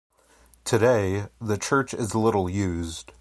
Today, the church is little used.